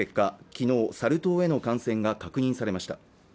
きのうサル痘への感染が確認されました